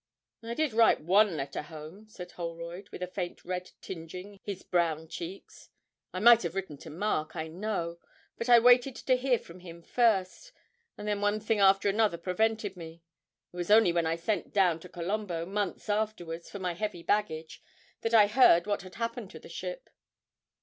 'I did write one letter home,' said Holroyd, with a faint red tingeing his brown cheeks. 'I might have written to Mark, I know; but I waited to hear from him first, and then one thing after another prevented me. It was only when I sent down to Colombo, months afterwards, for my heavy baggage, that I heard what had happened to the ship.'